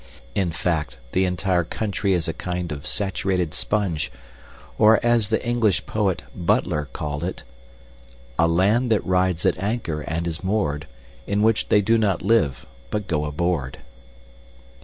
In fact, the entire country is a kind of saturated sponge or, as the English poet, Butler, called it, A land that rides at anchor, and is moor'd, In which they do not live, but go aboard.